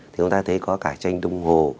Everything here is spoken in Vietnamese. thì chúng ta thấy có cả tranh đông hồ